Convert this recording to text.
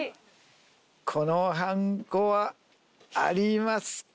このはんこはありますか？